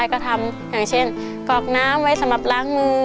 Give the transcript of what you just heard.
กากน้ำไว้สำหรับล้างมือ